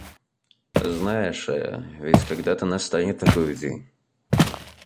Знаешь, а ведь когда-то настанет такой день.